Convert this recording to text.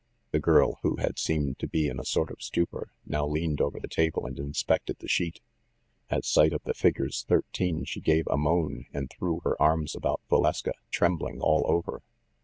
The girl, who had seemed to be in a sort of stupor, now leaned over the table and inspected the sheet. At sight of the figures 13 she gave a moan, and threw her arms about Valeska, trembling all over.